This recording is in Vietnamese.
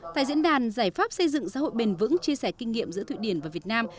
tại diễn đàn giải pháp xây dựng xã hội bền vững chia sẻ kinh nghiệm giữa thụy điển và việt nam